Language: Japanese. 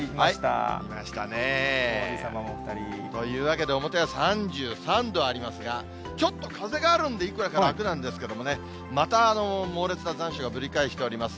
いましたね。というわけで、表は３３度ありますが、ちょっと風があるんで、いくらか楽なんですけれどもね、また猛烈な残暑がぶり返しております。